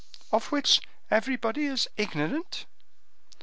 "Of which everybody is ignorant?"